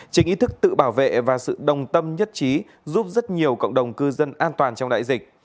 chính ý thức tự bảo vệ và sự đồng tâm nhất trí giúp rất nhiều cộng đồng cư dân an toàn trong đại dịch